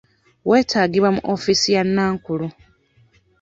Weetaagibwa mu woofiisi ya nankulu.